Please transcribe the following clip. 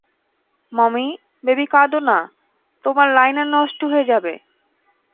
Mummy - baby কাঁদো না, তোমার লাইনার নষ্ট হয়ে যাবে।